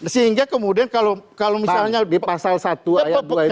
sehingga kemudian kalau misalnya di pasal satu ayat dua itu